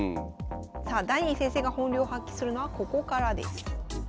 さあダニー先生が本領発揮するのはここからです。